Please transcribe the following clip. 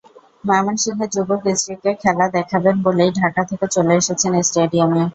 ময়মনসিংহের যুবক স্ত্রীকে খেলা দেখাবেন বলেই ঢাকা থেকে চলে এসেছেন স্টেডিয়ামে।